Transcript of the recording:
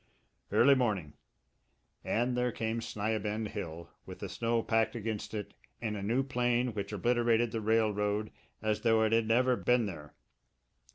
Early morning and there came Sni a bend Hill, with the snow packed against it in a new plane which obliterated the railroad as though it had never been there.